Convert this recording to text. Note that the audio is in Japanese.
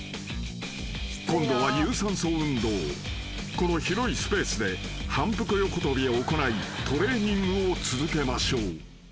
［この広いスペースで反復横跳びを行いトレーニングを続けましょう］